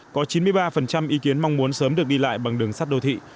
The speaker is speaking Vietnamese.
có chín mươi ba ý kiến mong muốn sớm được đi lại bằng đường sắt đô thị